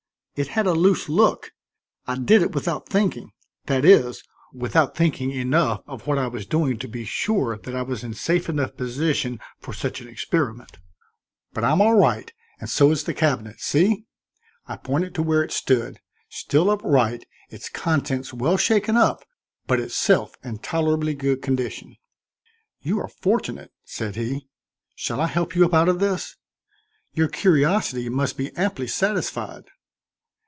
"It had a loose look. I did it without thinking, that is, without thinking enough of what I was doing to be sure that I was in a safe enough position for such an experiment. But I'm all right, and so is the cabinet. See!" I pointed to where it stood, still upright, its contents well shaken up but itself in tolerably good condition. "You are fortunate," said he. "Shall I help you up out of this? Your curiosity must be amply satisfied."